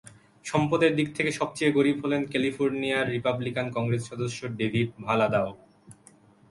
সম্পদের দিক থেকে সবচেয়ে গরিব হলেন ক্যালিফোর্নিয়ার রিপাবলিকান কংগ্রেস সদস্য ডেভিড ভালাদাও।